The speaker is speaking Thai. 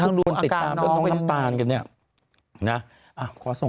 ทั้งวันจริง